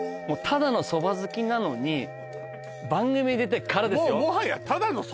ただの蕎麦好きなのに番組出てからですよ